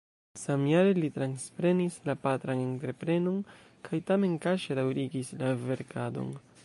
Samjare li transprenis la patran entreprenon kaj tamen kaŝe daŭrigis la verkadon.